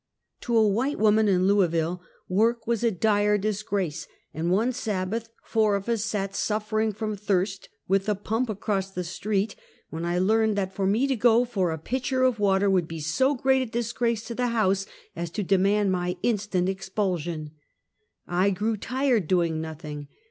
To A wliite woman in Louisville, work was a dire disgrace, and one Sabbath four of us sat suffering from thirst, with the pump across the street, when I learned that for me to go for a pitcher of water, would be so great a disgrace to the house as to demand my instant expulsion. I grew tired doing nothing.